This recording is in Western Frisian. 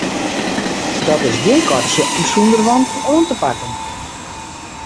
Dat is gjin katsje om sûnder wanten oan te pakken.